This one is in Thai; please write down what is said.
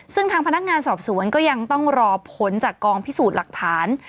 ซึ่งทางพนักงานสอบสวนก็ยังต้องรอผลจากกองพิสูจน์หลักฐาน